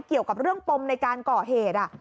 เกี่ยวกับเรื่องปมในการก่อเหตุ